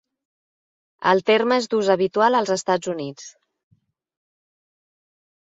El terme és d'ús habitual als Estats Units.